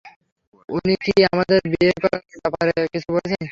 উনি কি আমাদের বিয়ে করার ব্যাপারে কিছু বলেছেন?